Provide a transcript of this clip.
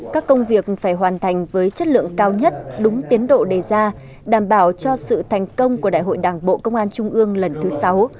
các công việc phải hoàn thành với chất lượng cao nhất đúng tiến độ đề ra đảm bảo cho sự thành công của đại hội đảng bộ công an trung ương lần thứ sáu